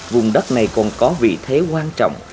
vùng đất này còn có vị thế quan trọng